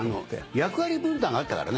役割分担があったからね。